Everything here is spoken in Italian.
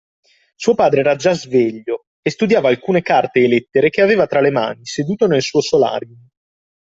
Suo padre era già sveglio, e studiava alcune carte e lettere che aveva tra le mani seduto nel suo solarium